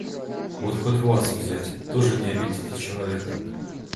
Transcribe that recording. Вот хоть вас взять, тоже не обидите человека...